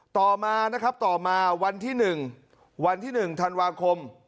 ต่อมานะครับต่อมาวันที่๑วันที่๑ธันวาคม